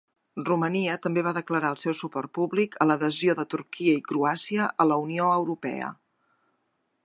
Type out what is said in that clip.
Romania també va declarar el seu suport públic a l'adhesió de Turquia i Croàcia a la Unió Europea.